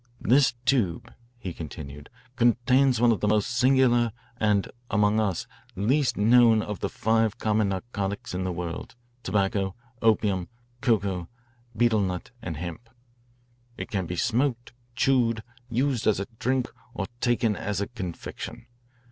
"This tube," he continued, "contains one of the most singular and, among us, least known of the five common narcotics of the world tobacco, opium, coca, betel nut, and hemp. It can be smoked, chewed, used as a drink, or taken as a confection.